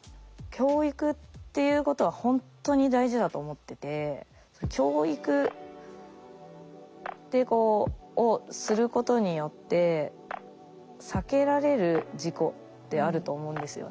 教育っていうことはほんとに大事だと思ってて教育をすることによって避けられる事故ってあると思うんですよね。